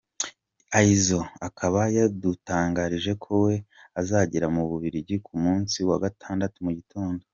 Izzo akaba yadutangarije ko we azagera mu Bubiligi ku munsi wa gatandatu mu gitondo.